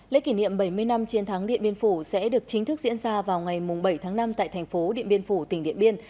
lễ kỷ niệm bảy mươi năm chiến thắng điện biên phủ sẽ được chính thức diễn ra vào ngày bảy tháng năm tại thành phố điện biên phủ tỉnh điện biên